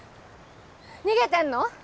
逃げてんの？